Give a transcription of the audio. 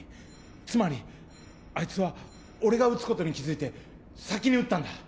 つまりあいつは俺が撃つことに気付いて先に撃ったんだ。